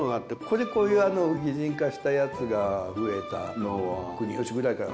これこういう擬人化したやつが増えたのは国芳ぐらいから？